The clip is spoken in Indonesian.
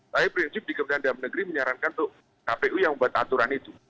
tapi prinsip di kementerian dalam negeri menyarankan untuk kpu yang membuat aturan itu